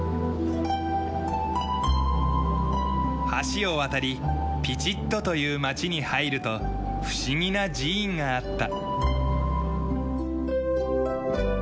橋を渡りピチットという町に入ると不思議な寺院があった。